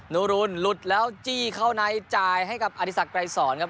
ูรุนหลุดแล้วจี้เข้าในจ่ายให้กับอธิสักไกรสอนครับ